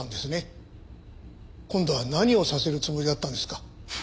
今度は何をさせるつもりだったんですか？